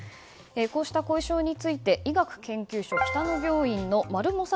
こうした後遺症について医学研究所北野病院の丸毛聡